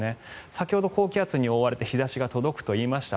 先ほど高気圧に覆われて日差しが届くと言いました。